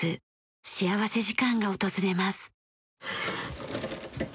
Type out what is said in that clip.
幸福時間が訪れます。